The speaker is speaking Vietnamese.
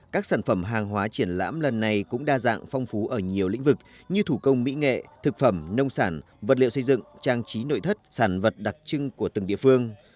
các sản phẩm hàng hóa triển lãm lần này cũng đa dạng phong phú ở nhiều lĩnh vực như thủ công mỹ nghệ thực phẩm nông sản vật liệu xây dựng trang trí nội thất sản vật đặc trưng của từng địa phương